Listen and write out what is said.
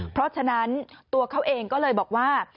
เพราะฉะนั้นตัวเขาเองก็เลยบอกว่า